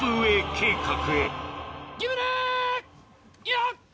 よっ！